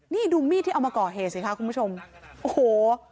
นี่ดูมีดที่เอามาก่อเหตุสิคะคุณผู้ชมโอ้โห